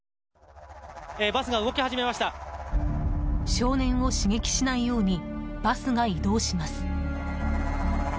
少年を刺激しないようにバスが移動します。